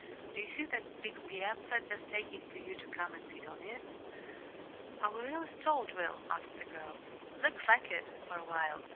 "Do you see that big piazza just aching for you to come and sit on it?" "Are we really stalled, Will?" asked the girl. "Looks like it for a while.